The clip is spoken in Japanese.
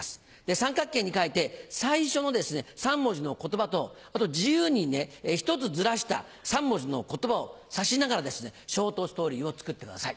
三角形に書いて最初の３文字の言葉と自由に１つずらした３文字の言葉を指しながらショートストーリーを作ってください。